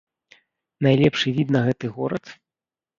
Найлепшы від на гэты горад?